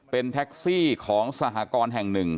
เป็นแท็กซี่ของสหกรณ์แห่งหนึ่ง